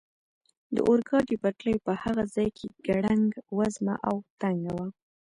د اورګاډي پټلۍ په هغه ځای کې ګړنګ وزمه او تنګه وه.